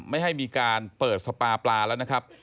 ไม่ให้มีการเปิดสปาปลาแล้วนะครับ